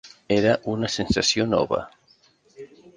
Era una sensació nova.